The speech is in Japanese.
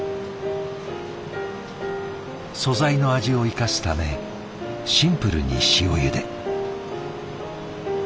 素材の味を生かすためシンプルに塩ゆで。